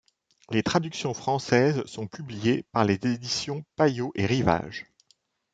Les traductions françaises sont publiées par les éditions Payot & Rivages.